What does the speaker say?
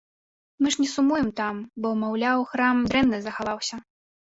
Мы ж не сумуем там, бо, маўляў, храм дрэнна захаваўся!